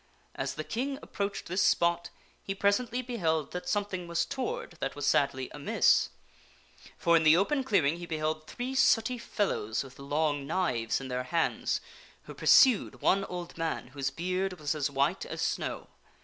As the King approached this spot, he presently beheld that something was toward that was sadly amiss. For, in the open clearing, he beheld three sooty fellows with long knives in their hands, who pursued one old man, whose beard was as white as snow.